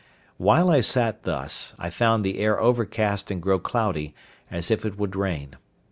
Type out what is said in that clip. While I sat thus, I found the air overcast and grow cloudy, as if it would rain.